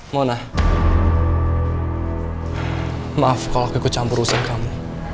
mona maaf kalau aku ikut campur usang kamu